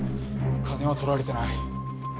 金は盗られてない。